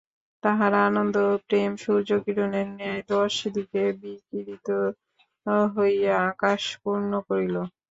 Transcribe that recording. তাঁহার আনন্দ ও প্রেম সূর্যকিরণের ন্যায় দশ দিকে বিকিরিত হইয়া আকাশ পূর্ণ করিল।